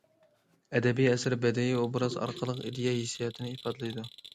ئەدەبىي ئەسەر بەدىئىي ئوبراز ئارقىلىق ئىدىيە، ھېسسىياتنى ئىپادىلەيدۇ.